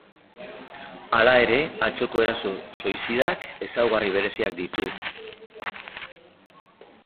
Hala ere, atzoko eraso soizidak ezaugarri bereziak ditu.